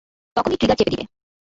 তখনই ট্রিগার চেপে দিবে।